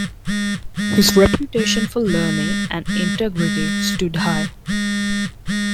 His reputation for learning and integrity stood high.